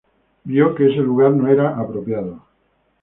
Vio que ese lugar no era apropiado.